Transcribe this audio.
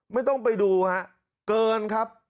ไม่ต้องไปดูฮะเกินครับ